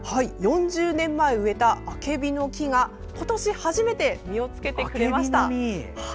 ４０年前植えたアケビの木が今年初めて実をつけてくれました。